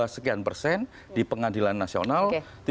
enam puluh dua sekian persen di pengadilan nasional